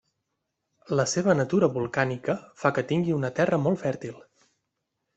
La seva natura volcànica fa que tingui una terra molt fèrtil.